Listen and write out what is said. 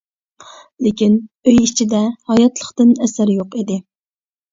لېكىن، ئۆي ئىچىدە ھاياتلىقتىن ئەسەر يوق ئىدى.